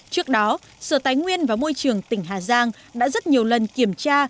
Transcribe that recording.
trước đó sở tài nguyên và môi trường tỉnh hà giang đã rất nhiều lần kiểm tra